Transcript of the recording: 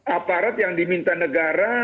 aparat yang diminta negara